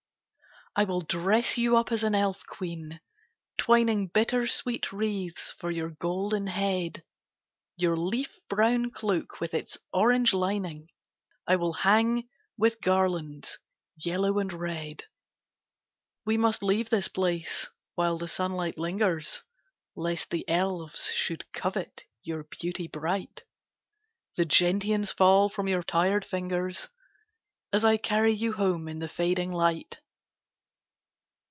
I will dress you up as an elf queen, twining Bittersweet wreaths for your golden head. Your leaf brown cloak with its orange lining I will hang with garlands yellow and red. We must leave this place while the sunlight lingers Lest the elves should covet your beauty bright. The gentians fall from your tired fingers As I carry you home in the fading light.